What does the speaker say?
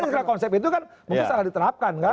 karena konsep itu kan memang salah diterapkan kan